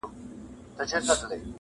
چي ژوندی وي د سړي غوندي به ښوري.!